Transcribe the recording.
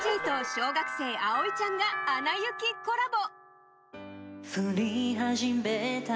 小学生、葵ちゃんが「アナ雪」コラボ。